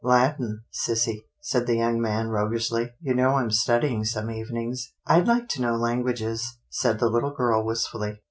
" Latin, sissy," said the young man roguishly, " you know I'm studying some evenings." " I'd like to know languages," said the little girl wistfully.